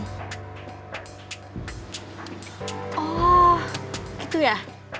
oh gitu ya